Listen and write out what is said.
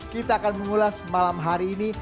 kita akan mengulas malam hari ini